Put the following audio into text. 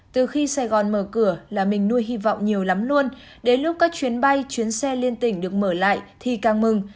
từ khi sài gòn mở cửa là mình nuôi hy vọng nhiều lắm luôn đến lúc các chuyến bay chuyến xe liên tỉnh được mở lại thì càng mừng